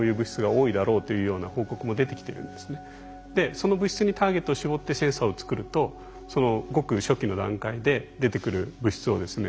その物質にターゲットを絞ってセンサーを作るとごく初期の段階で出てくる物質をですね